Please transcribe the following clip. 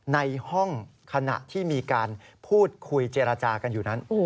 ในห้องขณะที่มีการพูดคุยเจรจากันอยู่นั้น